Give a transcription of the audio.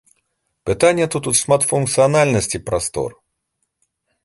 Пытанне тут у шматфункцыянальнасці прастор.